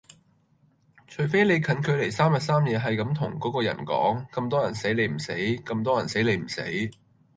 除非你近距離三日三夜係咁同個個人講：咁多人死你唔死，咁多人死你唔死